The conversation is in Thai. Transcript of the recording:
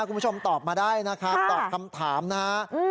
คุณผู้ชมตอบมาได้นะครับตอบคำถามนะฮะ